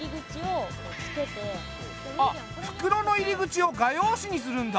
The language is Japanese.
あっ袋の入り口を画用紙にするんだ。